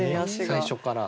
最初から。